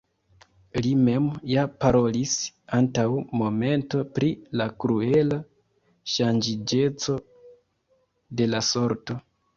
Li mem ja parolis antaŭ momento pri la kruela ŝanĝiĝeco de la sorto!